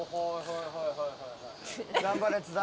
頑張れ、津田。